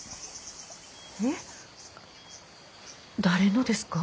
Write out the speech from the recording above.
えっ？誰のですか？